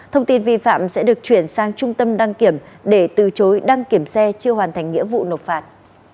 thông tin vi phạm sẽ được chuyển sang trung tâm đăng kiểm để từ chối đăng kiểm xe chưa hoàn thành nghĩa vụ nộp phạt